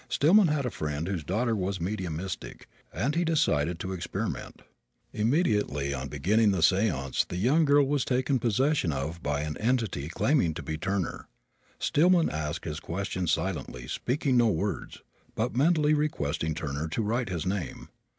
Stillman had a friend whose daughter was mediumistic and he decided to experiment. Immediately on beginning the seance the young girl was taken possession of by an entity claiming to be Turner. Stillman asked his question silently, speaking no words, but mentally requesting Turner to write his name.